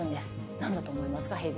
なんだと思いますか？